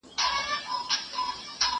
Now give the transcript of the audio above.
زه هره ورځ سبزیجات وخورم